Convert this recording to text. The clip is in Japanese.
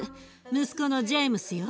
息子のジェイムスよ。